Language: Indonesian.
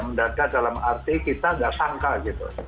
mendadak dalam arti kita nggak sangka gitu